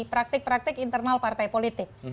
praktik praktik internal partai politik